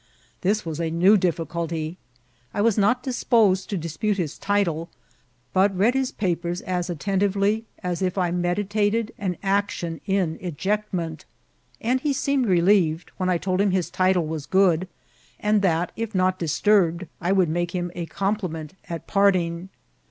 Tlus was a new difficulty* I was not disposed to dispute his title, but read his pa* pers as attentively as if I meditated an action in eject ment ; and he seemed relieved when I told him his title was good, and that, if not disturbed, I wonld make him a compliment at parting.